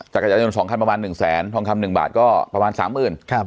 จักรยานยนต์๒คันประมาณ๑แสนทองคำหนึ่งบาทก็ประมาณสามหมื่นครับ